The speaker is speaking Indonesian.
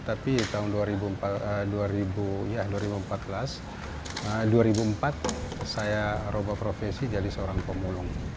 tapi tahun dua ribu empat belas dua ribu empat saya robah profesi jadi seorang pemulung